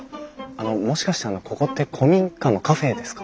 あのもしかしてここって古民家のカフェですか？